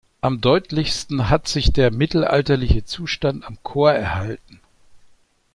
Am deutlichsten hat sich der mittelalterliche Zustand am Chor erhalten.